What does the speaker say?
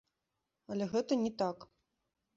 Але гэта не так.